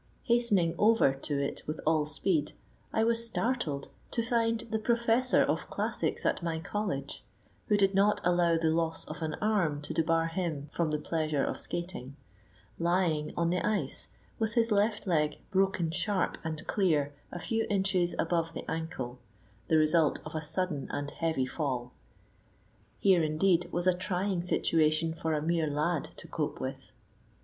Hastening over to it with all speed, I was startled to find the professor of classics at my college—who did not allow the loss of an arm to debar him from the pleasure of skating—lying on the ice, with his left leg broken sharp and clear a few inches above the ankle, the result of a sudden and heavy fall. Here, indeed, was a trying situation for a mere lad to cope with.